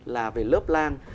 là về lớp lan